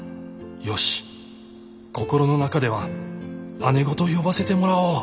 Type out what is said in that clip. よし心の中では「姉御」と呼ばせてもらおう。